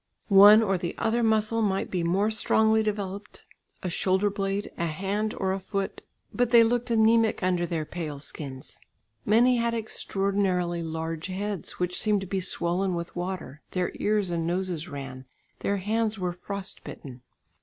One or the other muscle might be more strongly developed, a shoulder blade, a hand, or a foot, but they looked anæmic under their pale skins. Many had extraordinarily large heads which seemed to be swollen with water, their ears and noses ran, their hands were frost bitten.